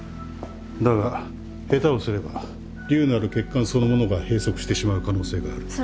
だが下手をすれば瘤のある血管そのものが閉塞してしまう可能性がある。